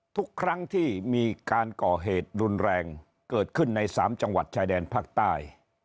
ทุกครั้งที่มีการก่อเหตุรุนแรงเกิดขึ้นใน๓จังหวัดชายแดนภาคใต้